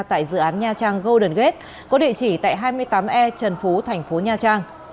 tại dự án nha trang golden gate có địa chỉ tại hai mươi tám e trần phú thành phố nha trang